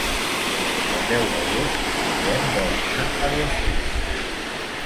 El deu d'agost en Guillem vol anar a Dosrius.